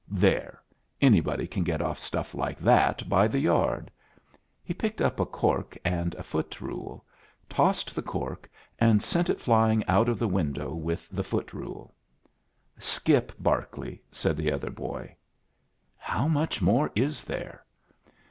There! Anybody can get off stuff like that by the yard." He picked up a cork and a foot rule, tossed the cork, and sent it flying out of the window with the foot rule. "Skip Berkeley," said the other boy. "How much more is there?"